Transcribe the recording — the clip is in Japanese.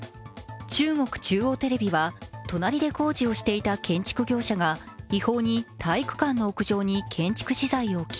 中国中央テレビは、隣で工事をしていた建築業者が違法に体育館の屋上に建築素材を置き